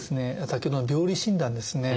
先ほどの病理診断ですね。